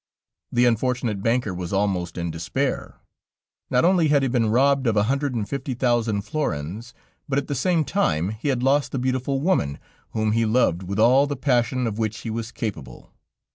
The unfortunate banker was almost in despair. Not only had he been robbed of a hundred and fifty thousand florins, but at the same time he had lost the beautiful woman, whom he loved with all the passion of which he was capable.